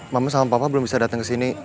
mama sama papa belum bisa dateng kesini